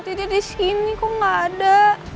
tidak ada di sini kok gak ada